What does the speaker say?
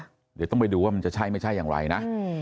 เดี๋ยวต้องไปดูว่ามันจะใช่ไม่ใช่อย่างไรนะ